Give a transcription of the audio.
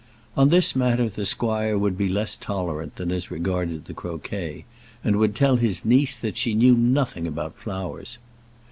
On this matter the squire would be less tolerant than as regarded the croquet, and would tell his niece that she knew nothing about flowers.